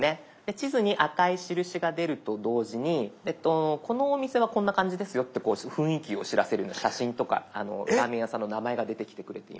地図に赤い印が出ると同時にこのお店はこんな感じですよって雰囲気を知らせるような写真とかラーメン屋さんの名前が出てきてくれている。